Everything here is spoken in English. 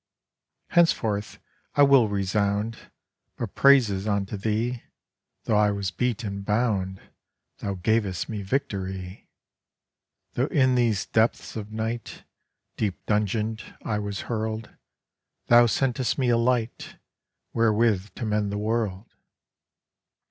Henceforth I will resound But praises unto Thee; Tho' I was beat and bound, Thou gavest me victory. Tho' in these depths of night Deep dungeon'd I was hurl'd, Thou sentest me a light Wherewith to mend the world.